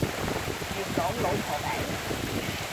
元朗老婆餅